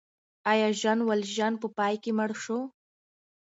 آیا ژان والژان په پای کې مړ شو؟